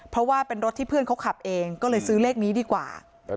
เพราะว่าเป็นรถที่เพื่อนเขาขับเองก็เลยซื้อเลขนี้ดีกว่า